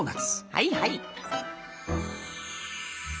はいはい。